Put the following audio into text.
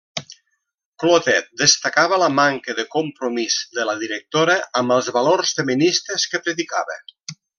Clotet destacava la manca de compromís de la directora amb els valors feministes que predicava.